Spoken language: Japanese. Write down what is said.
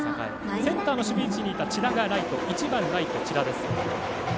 センターの守備位置にいた１番、千田がライトです。